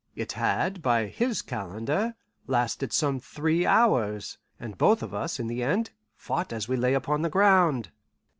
It had, by his calendar, lasted some three hours, and both of us, in the end, fought as we lay upon the ground.